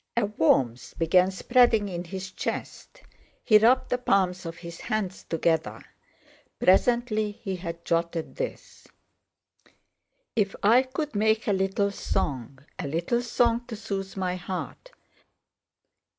A warmth began spreading in his chest; he rubbed the palms of his hands together. Presently he had jotted this: "If I could make a little song A little song to soothe my heart!